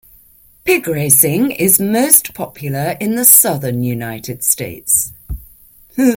Pig-racing is most popular in the Southern United States.